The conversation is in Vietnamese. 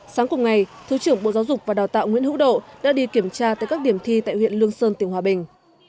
sáng cùng ngày thứ trưởng bộ giáo dục và đào tạo nguyễn hữu độ đã đi kiểm tra tại các điểm thi tại huyện lương sơn tỉnh hòa bình